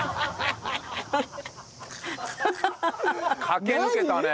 駆け抜けたね。